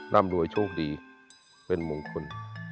ร่ำรวยโชคดีเป็นมงคล